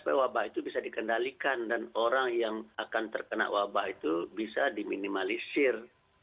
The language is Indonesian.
karena wabah itu bisa dikendalikan dan orang yang akan terkena wabah itu bisa diminimalisir